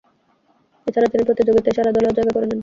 এছাড়া তিনি প্রতিযোগিতার সেরা দলেও জায়গা করে নেন।